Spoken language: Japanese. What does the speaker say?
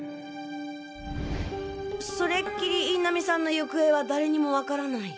それっきり印南さんの行方は誰にも分からない。